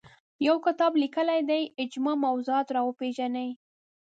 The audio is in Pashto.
یو کتاب لیکلی دی اجماع موضوعات راوپېژني